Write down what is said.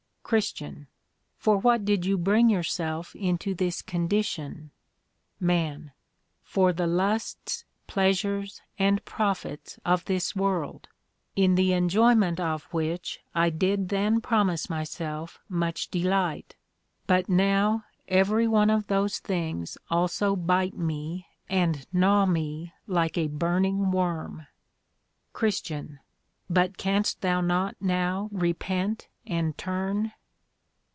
CHR. For what did you bring yourself into this condition? MAN. For the Lusts, Pleasures, and Profits of this World; in the enjoyment of which I did then promise myself much delight; but now every one of those things also bite me, and gnaw me like a burning worm. CHR. But canst thou not now repent and turn?